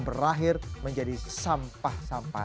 berakhir menjadi sampah sampah